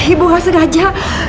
ibu gak segaja